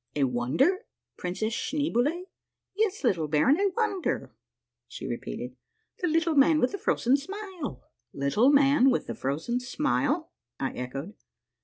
" A wonder. Princess Schneeboule ?"" Yes, little baron, a wonder," she repeated :" the Little Man with the Frozen Smile." "Little Man with the Frozen Smile?" I echoed.